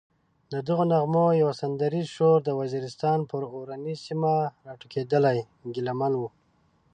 ددغو نغمو یو سندریز شور د وزیرستان پر اورنۍ سیمه راټوکېدلی ګیله من و.